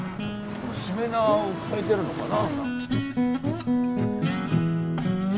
しめ縄を替えてるのかな。